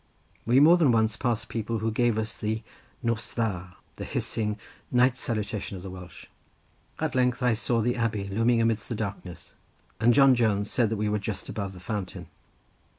We more than once passed people who gave us the n's da, the hissing night salutation of the Welsh. At length I saw the abbey looming amidst the darkness, and John Jones said that we were just above the fountain.